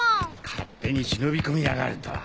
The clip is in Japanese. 勝手に忍び込みやがるとは。